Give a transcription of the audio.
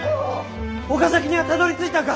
岡崎にゃあたどりついたんか！